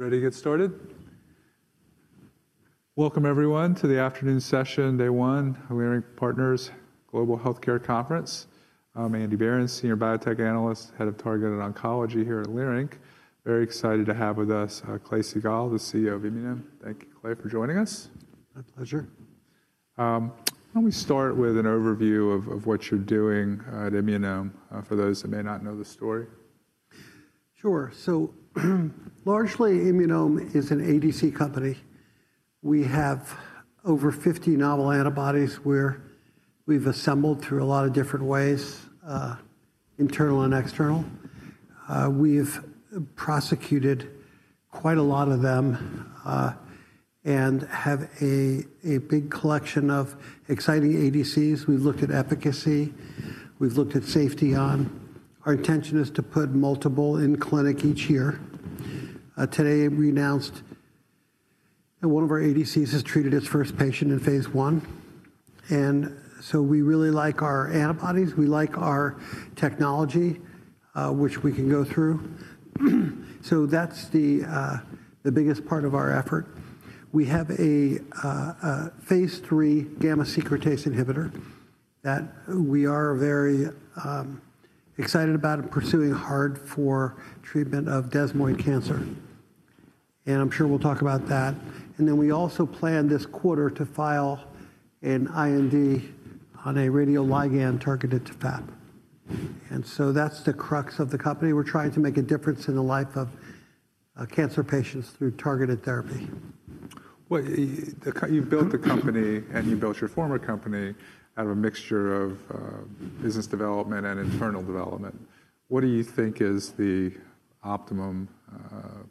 Ready to get started? Welcome, everyone, to the afternoon session, day one, Leerink Partners Global Healthcare Conference. I'm Andy Berens, Senior Biotech Analyst, Head of Targeted Oncology here at Leerink. Very excited to have with us Clay Siegall, the CEO of Immunome. Thank you, Clay, for joining us. My pleasure. Why don't we start with an overview of what you're doing at Immunome, for those that may not know the story? Sure. Largely, Immunome is an ADC company. We have over 50 novel antibodies we've assembled through a lot of different ways, internal and external. We've prosecuted quite a lot of them and have a big collection of exciting ADCs. We've looked at efficacy. We've looked at safety. Our intention is to put multiple in clinic each year. Today, we announced that one of our ADCs has treated its first patient in phase I. We really like our antibodies. We like our technology, which we can go through. That's the biggest part of our effort. We have a phase III gamma-secretase inhibitor that we are very excited about and pursuing hard for treatment of desmoid cancer. I'm sure we'll talk about that. We also plan this quarter to file an IND on a radioligand targeted to FAP. That's the crux of the company. We're trying to make a difference in the life of cancer patients through targeted therapy. You've built the company, and you built your former company out of a mixture of business development and internal development. What do you think is the optimum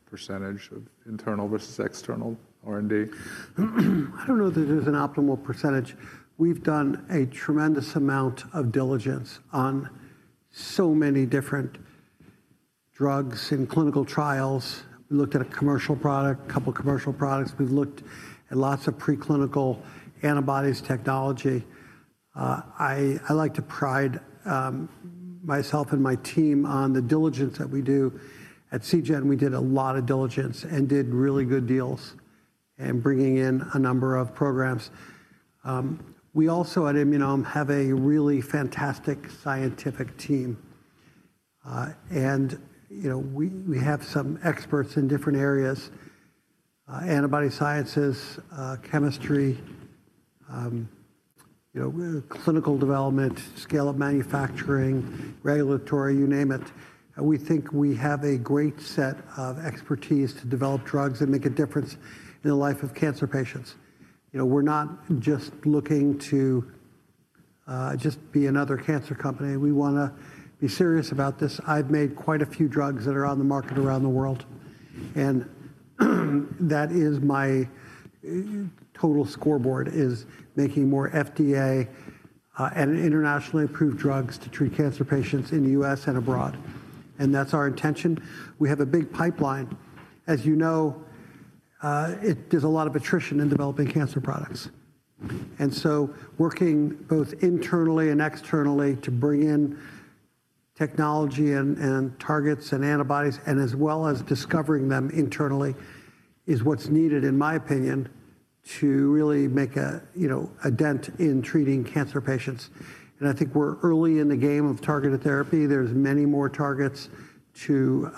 percentage of internal versus external R&D? I don't know that there's an optimal percentage. We've done a tremendous amount of diligence on so many different drugs in clinical trials. We looked at a commercial product, a couple of commercial products. We've looked at lots of preclinical antibodies technology. I like to pride myself and my team on the diligence that we do. At Seagen, we did a lot of diligence and did really good deals in bringing in a number of programs. We also, at Immunome, have a really fantastic scientific team. We have some experts in different areas: antibody sciences, chemistry, clinical development, scale-up manufacturing, regulatory, you name it. We think we have a great set of expertise to develop drugs that make a difference in the life of cancer patients. We're not just looking to just be another cancer company. We want to be serious about this. I've made quite a few drugs that are on the market around the world. That is my total scoreboard, is making more FDA and internationally approved drugs to treat cancer patients in the U.S. and abroad. That's our intention. We have a big pipeline. As you know, there's a lot of attrition in developing cancer products. Working both internally and externally to bring in technology and targets and antibodies, as well as discovering them internally, is what's needed, in my opinion, to really make a dent in treating cancer patients. I think we're early in the game of targeted therapy. There are many more targets to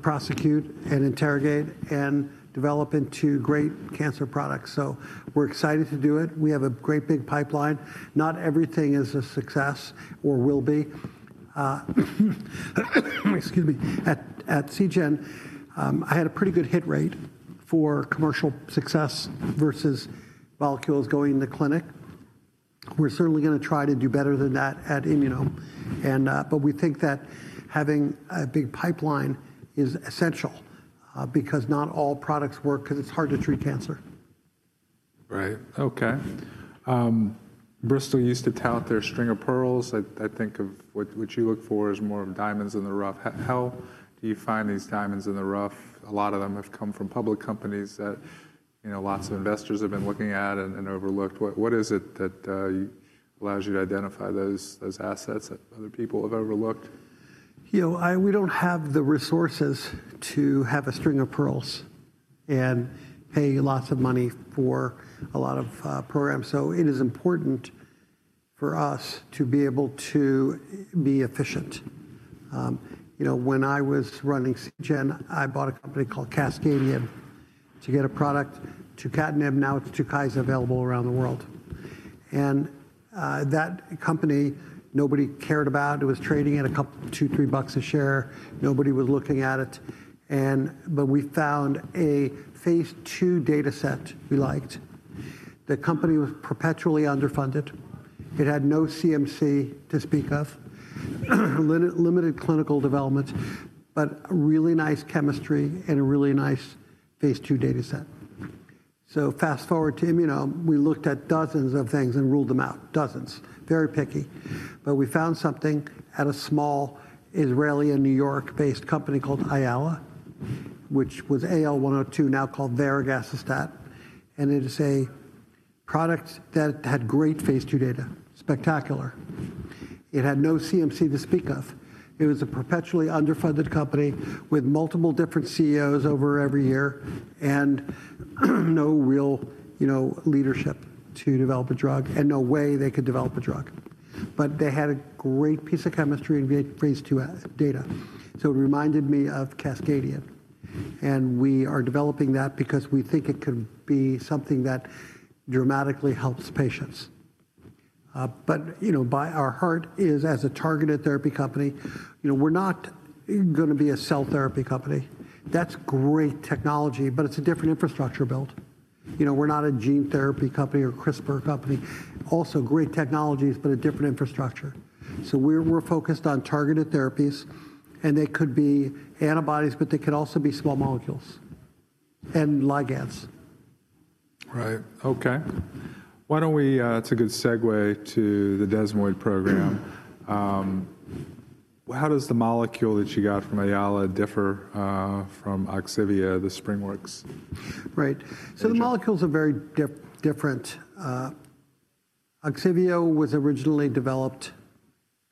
prosecute and interrogate and develop into great cancer products. We're excited to do it. We have a great big pipeline. Not everything is a success or will be. Excuse me. At Seagen, I had a pretty good hit rate for commercial success versus molecules going into clinic. We're certainly going to try to do better than that at Immunome. We think that having a big pipeline is essential because not all products work because it's hard to treat cancer. Right. OK. Bristol used to tout their string of pearls. I think of what you look for as more of diamonds in the rough. How do you find these diamonds in the rough? A lot of them have come from public companies that lots of investors have been looking at and overlooked. What is it that allows you to identify those assets that other people have overlooked? We don't have the resources to have a string of pearls and pay lots of money for a lot of programs. It is important for us to be able to be efficient. When I was running Seagen, I bought a company called Cascadian to get a product, tucatinib. Now it's TUKYSA available around the world. That company, nobody cared about. It was trading at a couple of two, three bucks a share. Nobody was looking at it. We found a phase II data set we liked. The company was perpetually underfunded. It had no CMC to speak of, limited clinical development, but really nice chemistry and a really nice phase II data set. Fast forward to Immunome. We looked at dozens of things and ruled them out, dozens, very picky. We found something at a small Israeli and New York-based company called Ayala, which was AL102, now called varegacestat. It is a product that had great phase II data, spectacular. It had no CMC to speak of. It was a perpetually underfunded company with multiple different CEOs over every year and no real leadership to develop a drug and no way they could develop a drug. They had a great piece of chemistry and great phase II data. It reminded me of Cascadian. We are developing that because we think it could be something that dramatically helps patients. Our heart is, as a targeted therapy company, we're not going to be a cell therapy company. That's great technology, but it's a different infrastructure build. We're not a gene therapy company or CRISPR company. Also, great technologies, but a different infrastructure. We're focused on targeted therapies, and they could be antibodies, but they could also be small molecules and ligands. Right. OK. Why don't we—it's a good segue to the desmoid program. How does the molecule that you got from Ayala differ from OGSIVEO, the SpringWorks? Right. So the molecules are very different. OGSIVEO was originally developed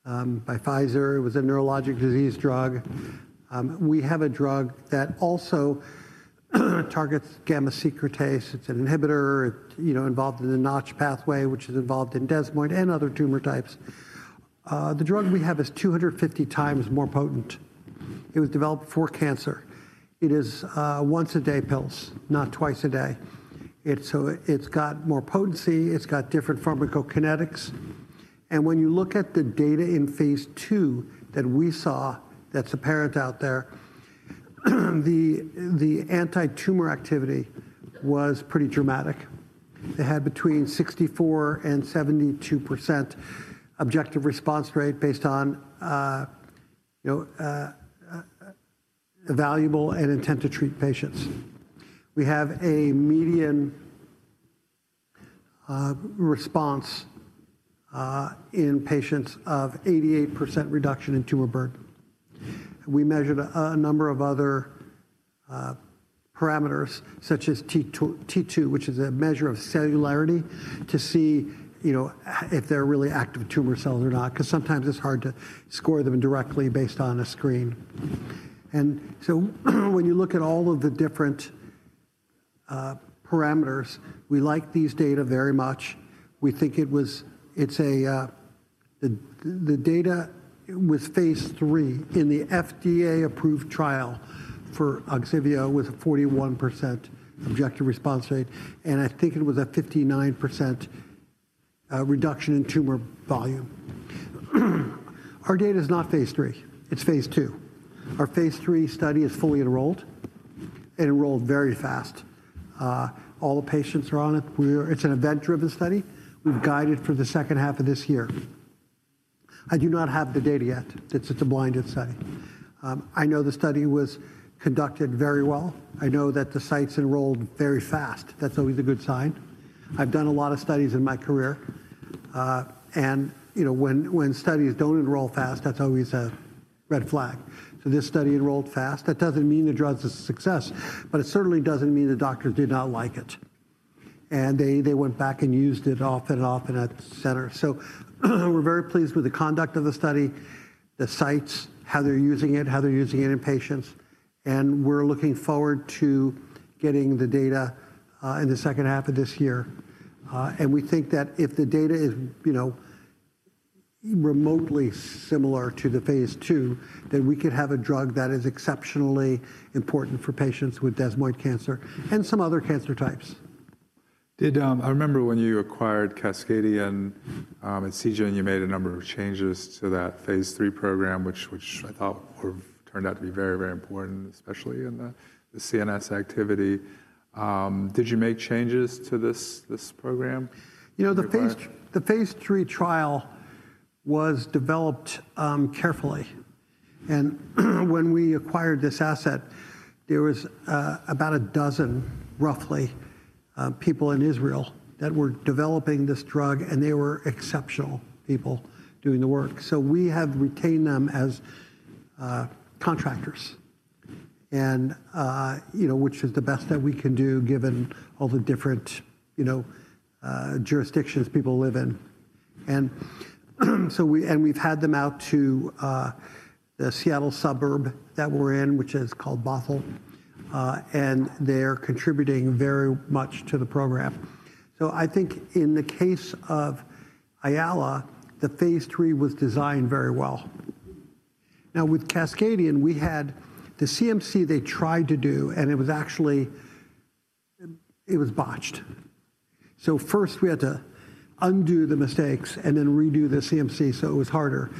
by Pfizer. It was a neurologic disease drug. We have a drug that also targets gamma-secretase. It's an inhibitor involved in the Notch pathway, which is involved in desmoid and other tumor types. The drug we have is 250x more potent. It was developed for cancer. It is once-a-day pills, not twice-a-day. It has more potency. It has different pharmacokinetics. When you look at the data in phase II that we saw that's apparent out there, the anti-tumor activity was pretty dramatic. They had between 64% and 72% objective response rate based on evaluable and intent to treat patients. We have a median response in patients of 88% reduction in tumor burden. We measured a number of other parameters, such as T2, which is a measure of cellularity, to see if they're really active tumor cells or not, because sometimes it's hard to score them directly based on a screen. When you look at all of the different parameters, we like these data very much. We think it was--it's a--the data was phase III in the FDA-approved trial for OGSIVEO with a 41% objective response rate. I think it was a 59% reduction in tumor volume. Our data is not phase III. It's phase II. Our phase III study is fully enrolled and enrolled very fast. All the patients are on it. It's an event-driven study. We've guided for the second half of this year. I do not have the data yet. It's a blinded study. I know the study was conducted very well. I know that the sites enrolled very fast. That's always a good sign. I've done a lot of studies in my career. When studies don't enroll fast, that's always a red flag. This study enrolled fast. That doesn't mean the drug is a success, but it certainly doesn't mean the doctors did not like it. They went back and used it often and often at the center. We're very pleased with the conduct of the study, the sites, how they're using it, how they're using it in patients. We're looking forward to getting the data in the second half of this year. We think that if the data is remotely similar to the phase II, then we could have a drug that is exceptionally important for patients with desmoid cancer and some other cancer types. I remember when you acquired Cascadian at Seagen, you made a number of changes to that phase III program, which I thought turned out to be very, very important, especially in the CNS activity. Did you make changes to this program? The phase III trial was developed carefully. When we acquired this asset, there was about a dozen, roughly, people in Israel that were developing this drug. They were exceptional people doing the work. We have retained them as contractors, which is the best that we can do given all the different jurisdictions people live in. We have had them out to the Seattle suburb that we're in, which is called Bothell. They are contributing very much to the program. I think in the case of Ayala, the phase III was designed very well. Now, with Cascadian, we had the CMC they tried to do, and it was actually, it was botched. First, we had to undo the mistakes and then redo the CMC so it was harder.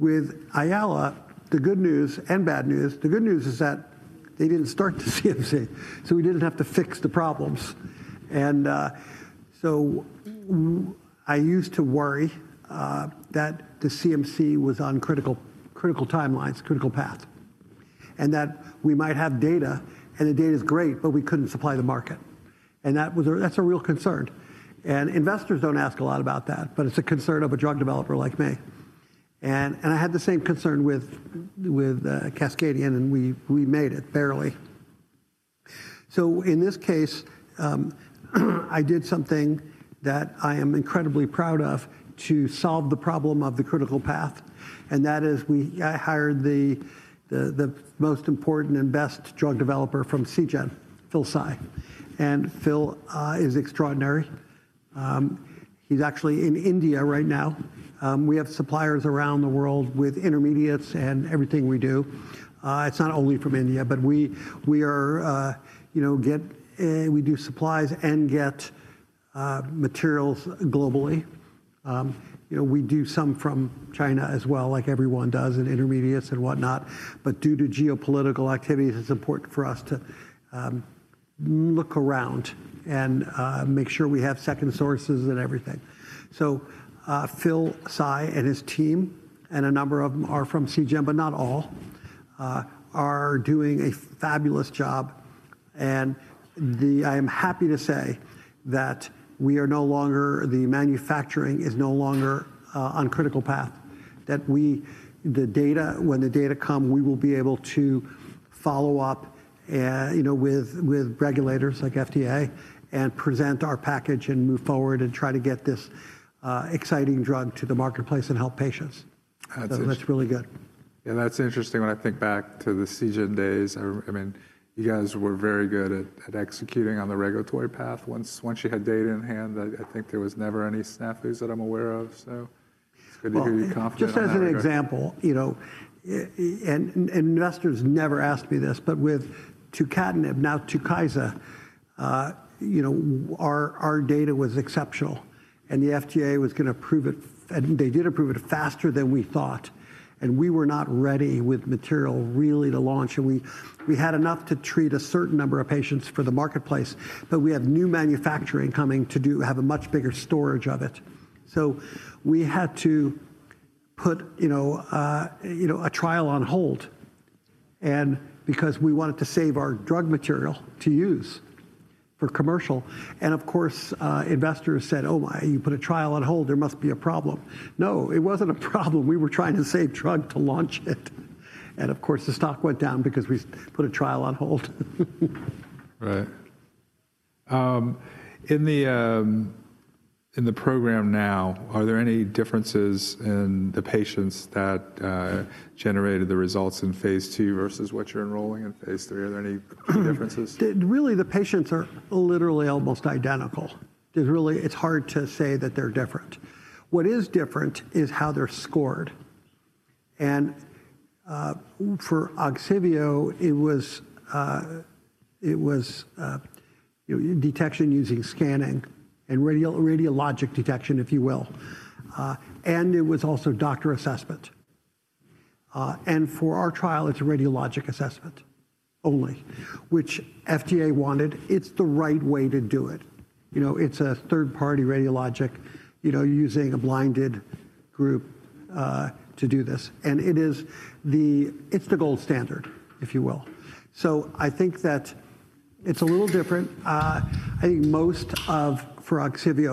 With Ayala, the good news and bad news, the good news is that they did not start the CMC, so we did not have to fix the problems. I used to worry that the CMC was on critical timelines, critical path, and that we might have data, and the data is great, but we could not supply the market. That is a real concern. Investors do not ask a lot about that, but it is a concern of a drug developer like me. I had the same concern with Cascadian, and we made it barely. In this case, I did something that I am incredibly proud of to solve the problem of the critical path. That is, I hired the most important and best drug developer from Seagen, Phil Tsai. Phil is extraordinary. He is actually in India right now. We have suppliers around the world with intermediates and everything we do. It's not only from India, but we do supplies and get materials globally. We do some from China as well, like everyone does, and intermediates and whatnot. Due to geopolitical activities, it's important for us to look around and make sure we have second sources and everything. Phil Tsai and his team, and a number of them are from Seagen, but not all, are doing a fabulous job. I am happy to say that we are no longer—the manufacturing is no longer on critical path—that when the data come, we will be able to follow up with regulators like FDA and present our package and move forward and try to get this exciting drug to the marketplace and help patients. That's really good. That's interesting when I think back to the Seagen days. I mean, you guys were very good at executing on the regulatory path. Once you had data in hand, I think there was never any snafus that I'm aware of. It's good to hear you confident about that. Just as an example, and investors never asked me this, but with TUKYSA, our data was exceptional. The FDA was going to approve it, and they did approve it faster than we thought. We were not ready with material really to launch. We had enough to treat a certain number of patients for the marketplace. We have new manufacturing coming to have a much bigger storage of it. We had to put a trial on hold because we wanted to save our drug material to use for commercial. Of course, investors said, oh, you put a trial on hold. There must be a problem. No, it was not a problem. We were trying to save drug to launch it. Of course, the stock went down because we put a trial on hold. Right. In the program now, are there any differences in the patients that generated the results in phase II versus what you're enrolling in phase III? Are there any differences? Really, the patients are literally almost identical. It's hard to say that they're different. What is different is how they're scored. For OGSIVEO, it was detection using scanning and radiologic detection, if you will. It was also doctor assessment. For our trial, it's radiologic assessment only, which FDA wanted. It's the right way to do it. It's a third-party radiologic using a blinded group to do this. It's the gold standard, if you will. I think that it's a little different. I think for OGSIVEO,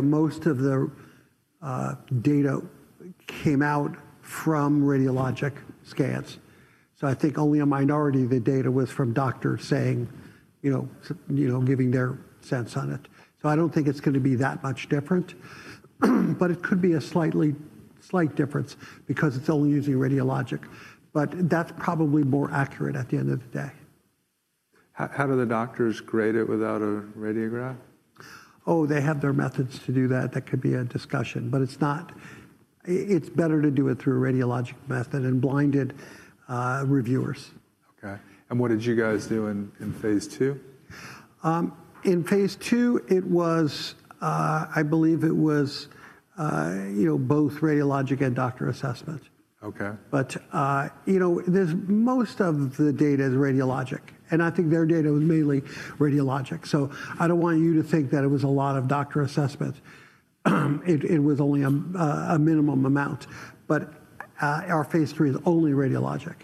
most of the data came out from radiologic scans. I think only a minority of the data was from doctors giving their sense on it. I don't think it's going to be that much different. It could be a slight difference because it's only using radiologic. That's probably more accurate at the end of the day. How do the doctors grade it without a radiograph? Oh, they have their methods to do that. That could be a discussion. It is better to do it through a radiologic method and blinded reviewers. OK. What did you guys do in phase II? In phase II, I believe it was both radiologic and doctor assessment. Most of the data is radiologic. I think their data was mainly radiologic. I do not want you to think that it was a lot of doctor assessment. It was only a minimum amount. Our phase III is only radiologic.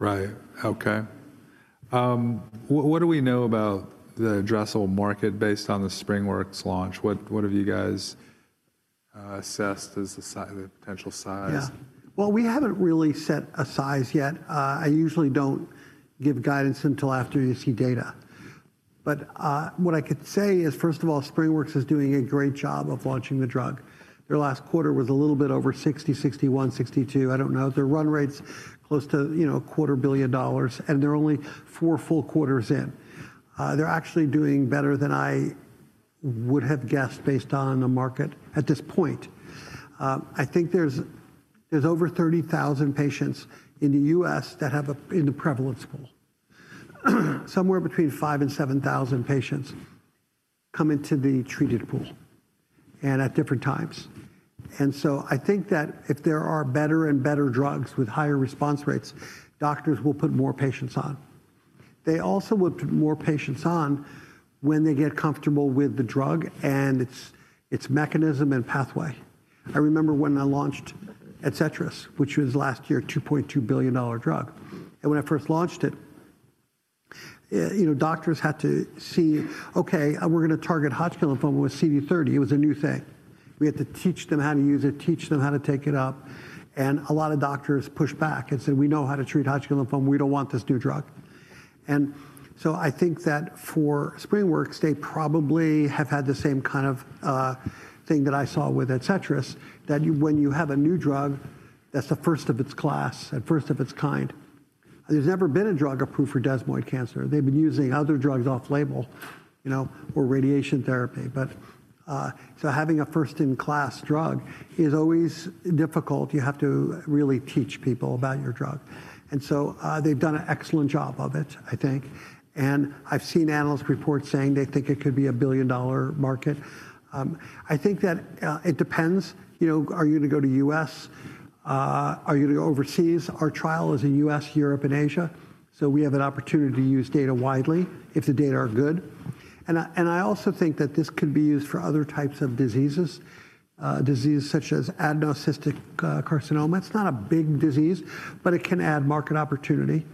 Right. OK. What do we know about the [addressable] market based on the SpringWorks launch? What have you guys assessed as the potential size? Yeah. We haven't really set a size yet. I usually don't give guidance until after you see data. What I could say is, first of all, SpringWorks is doing a great job of launching the drug. Their last quarter was a little bit over $60 million, $61 million, $62 million. I don't know. Their run rate's close to a $250 million. They're only four full quarters in. They're actually doing better than I would have guessed based on the market at this point. I think there's over 30,000 patients in the U.S. that have in the prevalence pool. Somewhere between 5,000 and 7,000 patients come into the treated pool at different times. I think that if there are better and better drugs with higher response rates, doctors will put more patients on. They also would put more patients on when they get comfortable with the drug and its mechanism and pathway. I remember when I launched ADCETRIS, which was last year's $2.2 billion drug. When I first launched it, doctors had to see, OK, we're going to target Hodgkin lymphoma with CD30. It was a new thing. We had to teach them how to use it, teach them how to take it up. A lot of doctors pushed back and said, we know how to treat Hodgkin lymphoma. We don't want this new drug. I think that for SpringWorks, they probably have had the same kind of thing that I saw with ADCETRIS, that when you have a new drug, that's the first of its class and first of its kind. There's never been a drug approved for desmoid cancer. They've been using other drugs off label or radiation therapy. Having a first-in-class drug is always difficult. You have to really teach people about your drug. They've done an excellent job of it, I think. I've seen analysts report saying they think it could be a billion-dollar market. I think that it depends. Are you going to go to the U.S.? Are you going to go overseas? Our trial is in the U.S., Europe, and Asia. We have an opportunity to use data widely if the data are good. I also think that this could be used for other types of diseases, diseases such as adenoid cystic carcinoma. It's not a big disease, but it can add market opportunity.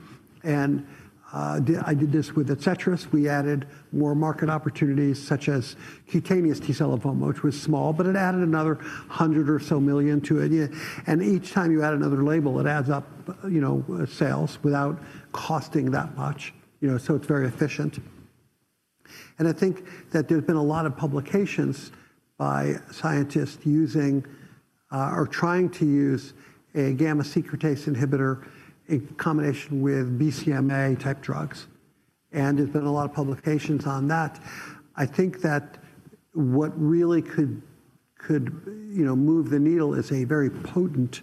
I did this with ADCETRIS. We added more market opportunities, such as cutaneous T-cell lymphoma, which was small, but it added another $100 million or so to it. Each time you add another label, it adds up sales without costing that much. It is very efficient. I think that there has been a lot of publications by scientists using or trying to use a gamma-secretase inhibitor in combination with BCMA-type drugs. There has been a lot of publications on that. I think that what really could move the needle is a very potent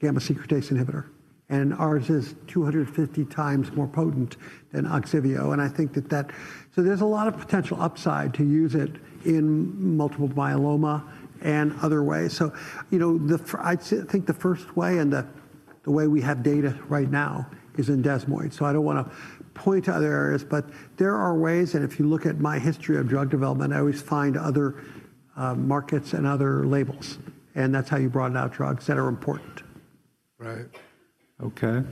gamma-secretase inhibitor. Ours is 250x more potent than OGSIVEO. I think that there is a lot of potential upside to use it in multiple myeloma and other ways. I think the first way and the way we have data right now is in desmoids. I do not want to point to other areas. There are ways. If you look at my history of drug development, I always find other markets and other labels. That's how you broaden out drugs that are important. Right. OK.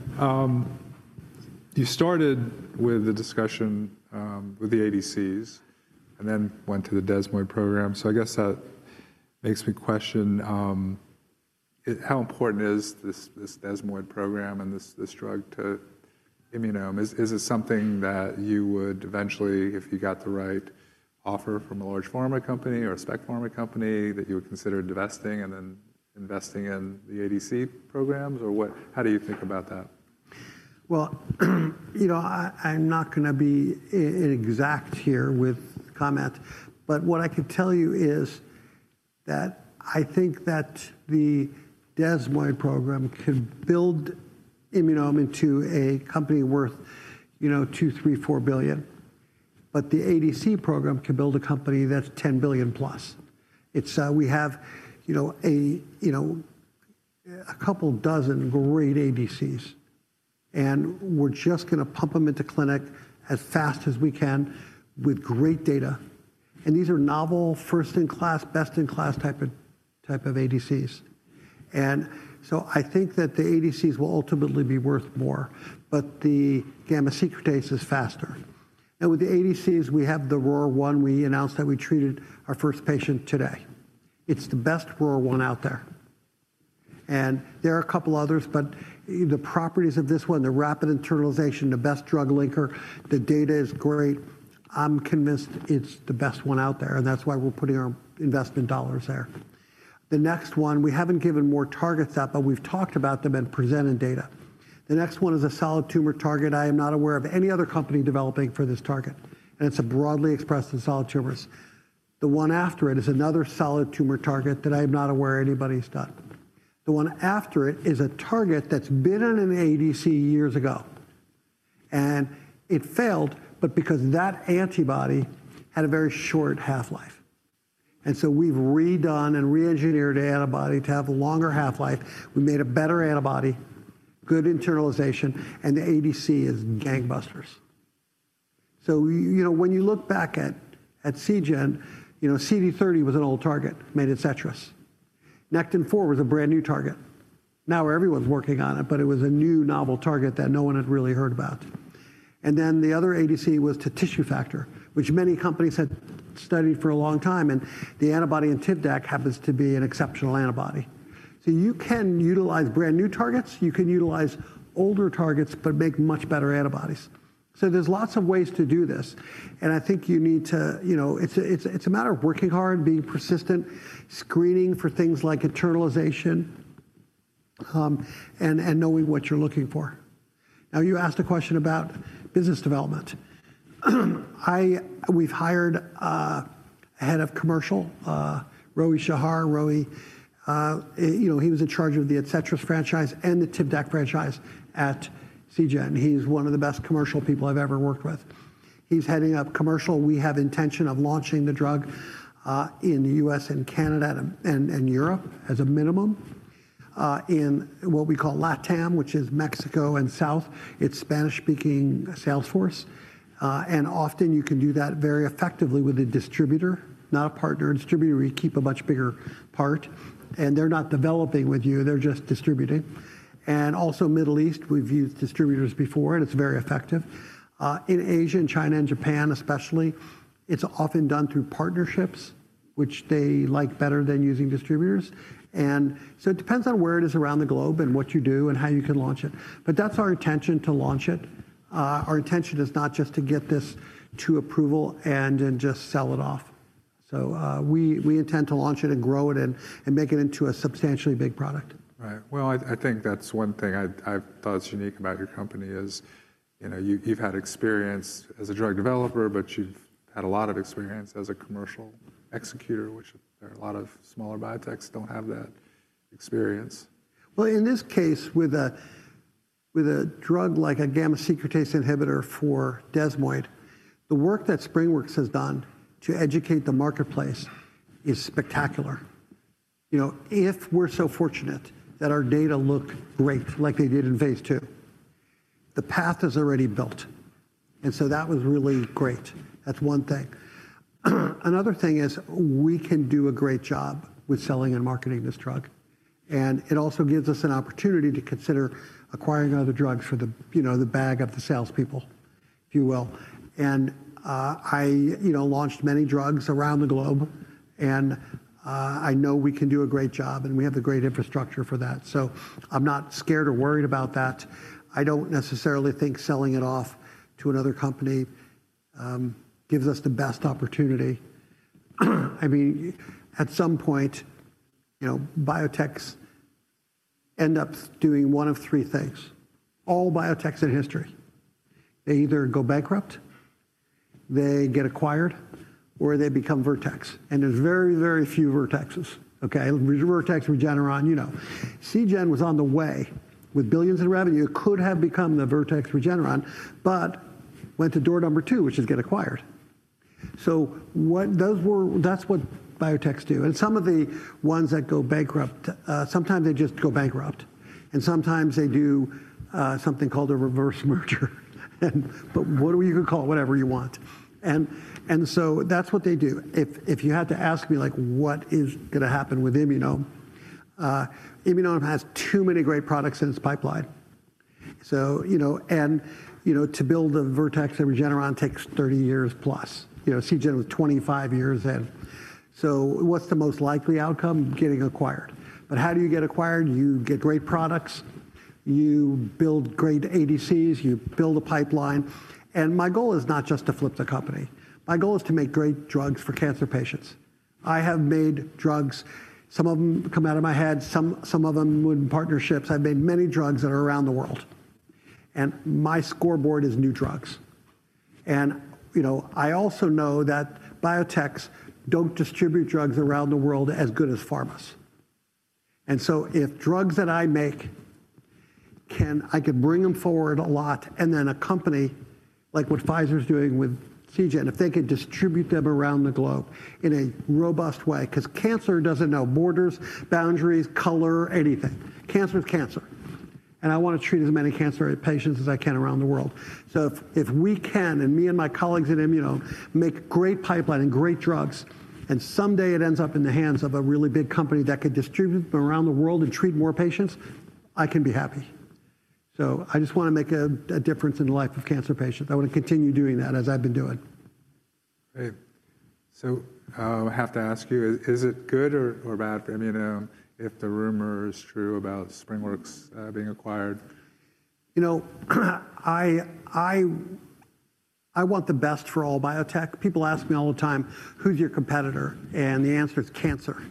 You started with the discussion with the ADCs and then went to the desmoid program. I guess that makes me question how important is this desmoid program and this drug to Immunome. Is it something that you would eventually, if you got the right offer from a large pharma company or a spec pharma company, that you would consider divesting and then investing in the ADC programs? How do you think about that? I'm not going to be exact here with comment. What I could tell you is that I think that the desmoid program could build Immunome into a company worth $2 billion, $3 billion, $4 billion. The ADC program could build a company that's $10 billion+. We have a couple dozen great ADCs. We're just going to pump them into clinic as fast as we can with great data. These are novel, first-in-class, best-in-class type of ADCs. I think that the ADCs will ultimately be worth more. The gamma-secretase is faster. With the ADCs, we have the ROR-1. We announced that we treated our first patient today. It's the best ROR-1 out there. There are a couple others. The properties of this one, the rapid internalization, the best drug linker, the data is great. I'm convinced it's the best one out there. That's why we're putting our investment dollars there. The next one, we haven't given more targets out, but we've talked about them and presented data. The next one is a solid tumor target. I am not aware of any other company developing for this target. It's broadly expressed in solid tumors. The one after it is another solid tumor target that I am not aware anybody's done. The one after it is a target that's been in an ADC years ago. It failed, but because that antibody had a very short half-life. We've redone and re-engineered the antibody to have a longer half-life. We made a better antibody, good internalization. The ADC is gangbusters. When you look back at Seagen, CD30 was an old target made ADCETRIS. Nectin-4 was a brand new target. Now everyone's working on it. It was a new, novel target that no one had really heard about. The other ADC was to tissue factor, which many companies had studied for a long time. The antibody in TIVDAK happens to be an exceptional antibody. You can utilize brand new targets. You can utilize older targets, but make much better antibodies. There are lots of ways to do this. I think you need to, it's a matter of working hard, being persistent, screening for things like internalization, and knowing what you're looking for. You asked a question about business development. We've hired a Head of Commercial, Roee Shahar. Roee, he was in charge of the ADCETRIS franchise and the TIVDAK franchise at Seagen. He's one of the best commercial people I've ever worked with. He's heading up commercial. We have intention of launching the drug in the U.S. and Canada and Europe as a minimum in what we call LATAM, which is Mexico and South. It's Spanish-speaking sales force. Often you can do that very effectively with a distributor, not a partner. Distributor, you keep a much bigger part. They're not developing with you. They're just distributing. Also Middle East, we've used distributors before. It's very effective. In Asia and China and Japan, especially, it's often done through partnerships, which they like better than using distributors. It depends on where it is around the globe and what you do and how you can launch it. That's our intention to launch it. Our intention is not just to get this to approval and then just sell it off. We intend to launch it and grow it and make it into a substantially big product. Right. I think that's one thing I thought was unique about your company is you've had experience as a drug developer, but you've had a lot of experience as a commercial executor, which a lot of smaller biotechs don't have that experience. In this case, with a drug like a gamma-secretase inhibitor for desmoid, the work that SpringWorks has done to educate the marketplace is spectacular. If we're so fortunate that our data look great like they did in phase II, the path is already built. That was really great. That's one thing. Another thing is we can do a great job with selling and marketing this drug. It also gives us an opportunity to consider acquiring other drugs for the bag of the salespeople, if you will. I launched many drugs around the globe. I know we can do a great job. We have the great infrastructure for that. I'm not scared or worried about that. I don't necessarily think selling it off to another company gives us the best opportunity. I mean, at some point, biotechs end up doing one of three things. All biotechs in history, they either go bankrupt, they get acquired, or they become Vertex. And there's very, very few Vertexes. OK, Vertex, Regeneron. Seagen was on the way with billions in revenue. It could have become the Vertex Regeneron, but went to door number two, which is get acquired. That is what biotechs do. Some of the ones that go bankrupt, sometimes they just go bankrupt. Sometimes they do something called a reverse merger. Whatever you can call it, whatever you want. That is what they do. If you had to ask me what is going to happen with Immunome, Immunome has too many great products in its pipeline. To build a Vertex and Regeneron takes 30+ years. Seagen was 25 years then. What is the most likely outcome? Getting acquired. How do you get acquired? You get great products. You build great ADCs. You build a pipeline. My goal is not just to flip the company. My goal is to make great drugs for cancer patients. I have made drugs. Some of them come out of my head. Some of them were in partnerships. I've made many drugs that are around the world. My scoreboard is new drugs. I also know that biotechs do not distribute drugs around the world as well as pharmas. If drugs that I make, I could bring them forward a lot. A company like what Pfizer is doing with Seagen, if they could distribute them around the globe in a robust way, because cancer does not know borders, boundaries, color, anything. Cancer is cancer. I want to treat as many cancer patients as I can around the world. If we can, and me and my colleagues at Immunome make a great pipeline and great drugs, and someday it ends up in the hands of a really big company that could distribute them around the world and treat more patients, I can be happy. I just want to make a difference in the life of cancer patients. I want to continue doing that as I've been doing. Right. I have to ask you, is it good or bad for Immunome if the rumor is true about SpringWorks being acquired? I want the best for all biotech. People ask me all the time, who's your competitor? The answer is cancer.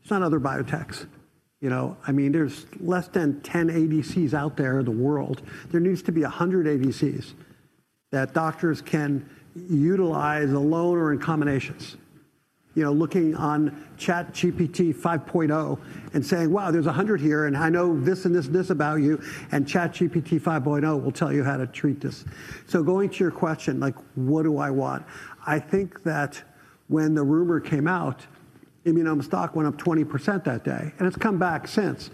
It's not other biotechs. I mean, there's less than 10 ADCs out there in the world. There needs to be 100 ADCs that doctors can utilize alone or in combinations, looking on ChatGPT 5.0 and saying, wow, there's 100 here. I know this and this and this about you. ChatGPT 5.0 will tell you how to treat this. Going to your question, what do I want? I think that when the rumor came out, Immunome stock went up 20% that day. It's come back since.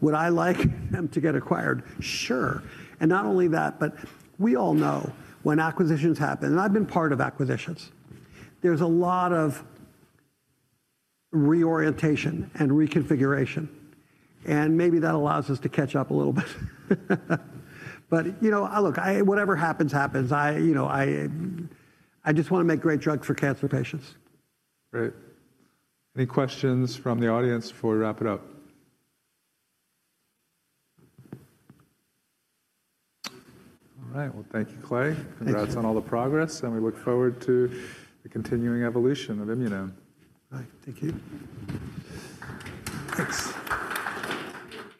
Would I like them to get acquired? Sure. Not only that, but we all know when acquisitions happen, and I've been part of acquisitions, there's a lot of reorientation and reconfiguration. Maybe that allows us to catch up a little bit. Look, whatever happens, happens. I just want to make great drugs for cancer patients. Right. Any questions from the audience before we wrap it up? All right. Thank you, Clay. Congrats on all the progress. We look forward to the continuing evolution of Immunome. All right. Thank you. Thanks.